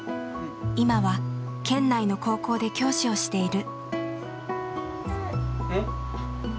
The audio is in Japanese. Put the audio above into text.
今は県内の高校で教師をしている。